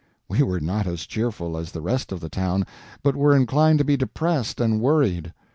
We were not as cheerful as the rest of the town, but were inclined to be depressed and worried.